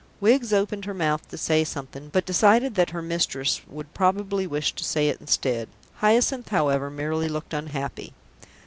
Wiggs opened her mouth to say something, but decided that her mistress would probably wish to say it instead. Hyacinth, however, merely looked unhappy.